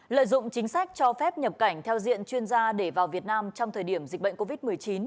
lợi dụng chính sách cho phép nhập cảnh theo diện chuyên gia để vào việt nam trong thời điểm dịch bệnh covid một mươi chín